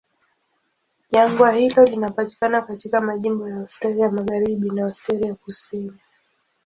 Jangwa hilo linapatikana katika majimbo ya Australia Magharibi na Australia Kusini.